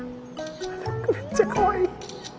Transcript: めっちゃかわいい。